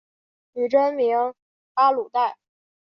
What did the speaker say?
女真名阿鲁带。